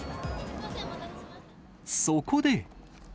そこで。